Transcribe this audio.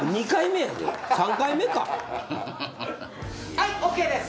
はいＯＫです。